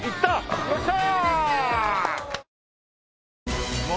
よっしゃ！